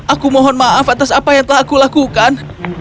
aku mohon maaf atas apa yang telah aku lakukan